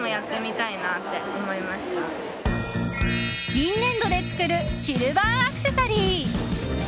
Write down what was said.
銀粘土で作るシルバーアクセサリー。